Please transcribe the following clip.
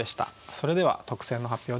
それでは特選の発表です。